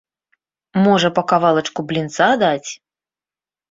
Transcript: Можа па кавалачку блінца даць?